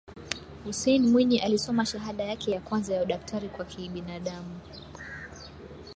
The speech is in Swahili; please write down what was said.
Hussein Mwinyi alisoma shahada yake ya kwanza ya udaktari wa kibinaadamu